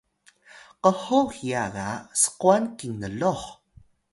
kho hiya ga skwan kinnluh